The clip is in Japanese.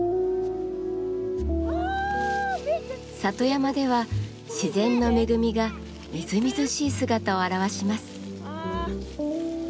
里山では自然の恵みがみずみずしい姿を現します。